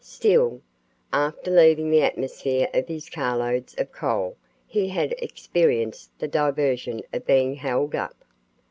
Still, after leaving the atmosphere of his carloads of coal he had experienced the diversion of being held up."